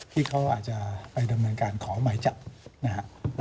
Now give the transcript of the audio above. ที่เขาอาจจะไปดำเนินการขอหมายจับนะครับ